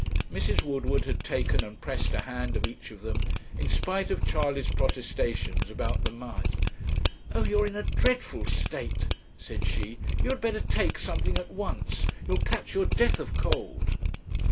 Mrs. Woodward had taken and pressed a hand of each of them, in spite of Charley's protestations about the mud. 'Oh! you're in a dreadful state,' said she; 'you had better take something at once; you'll catch your death of cold.'